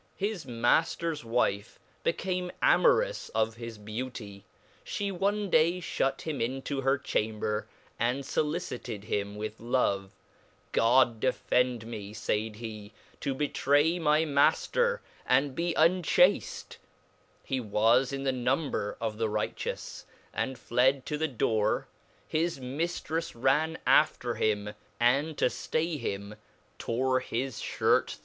His Mafters wife became amorous of his beaut}/, llieone.day fliut him into her chamber, and folicitedhim with love ; God de fend me (faid hej to betray my Mafter, and be unchafte fhc was in the number of the righteous ) and fled to the door ; his Miftrifs ran after him, andtoltayhim, tore his iliirt through the ChapAi.